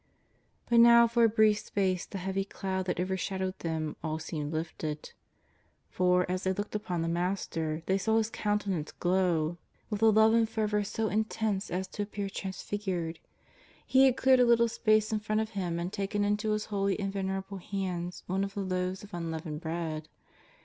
But now for a brief space the heavy cloud that over shadowed them all seemed lifted. For, as they looked upon the Master, they saw His countenance glow with 330 JESUS OF NAZARETH. a lOve and fervour so intense as to appear transfigured. He had cleared a little space in front of Him and taken into His holy and venerable hands one of the loaves of unleavened bread.